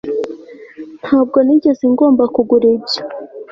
ntabwo nigeze ngomba kugura ibyo